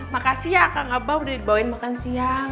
makasih ya akang abah udah dibawain makan siang